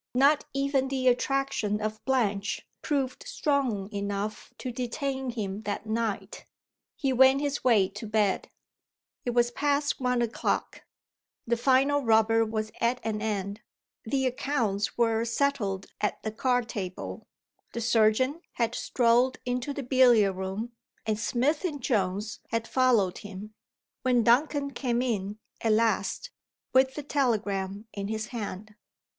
Not even the attraction of Blanche proved strong enough to detain him that night. He went his way to bed. It was past one o'clock. The final rubber was at an end, the accounts were settled at the card table; the surgeon had strolled into the billiard room, and Smith and Jones had followed him, when Duncan came in, at last, with the telegram in his hand.